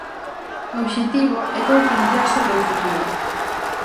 O obxectivo é concienciar sobre o futuro.